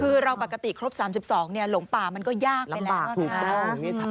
คือเราปกติครบ๓๒หลงป่ามันก็ยากไปแล้วนะ